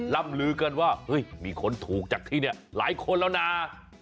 ล่ำลือกันว่าเฮ้ยมีคนถูกจากที่นี่หลายคนแล้วนะ